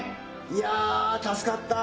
いやたすかった。